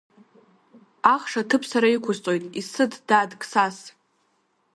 Ахш аҭыԥ сара иқәсҵоит, исыҭ, дад Қсас…